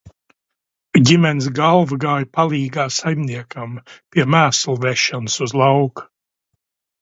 Ģimenes galva gāja palīgā saimniekam, pie mēslu vešanas uz lauka.